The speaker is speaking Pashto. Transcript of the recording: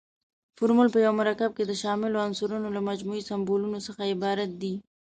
فورمول په یو مرکب کې د شاملو عنصرونو له مجموعي سمبولونو څخه عبارت دی.